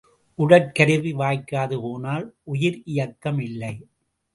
உடற்கருவி வாய்க்காது போனால் உயிர் இயக்கம் இல்லை.